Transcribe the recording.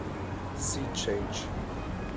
Sea change